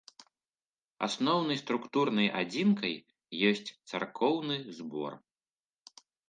Асноўнай структурнай адзінкай ёсць царкоўны збор.